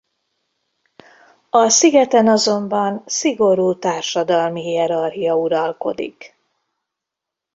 A szigeten azonban szigorú társadalmi hierarchia uralkodik.